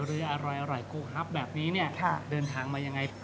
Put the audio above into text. เรืออร่อยโกฮับแบบนี้เนี่ยเดินทางมายังไง